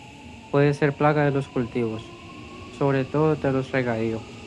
Puede ser plaga de los cultivos, sobre todo de los de regadío.